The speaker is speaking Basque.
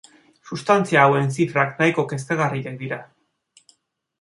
Substantzia hauen zifrak nahiko kezkagarriak dira.